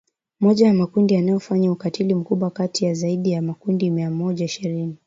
moja ya makundi yanayofanya ukatili mkubwa kati ya zaidi ya makundi mia moja ishirini